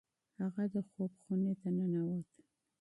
هغه د خوب خونې ته ننوت.